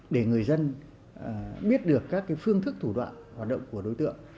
để người dân biết được các phương thức thủ đoạn hoạt động của đối tượng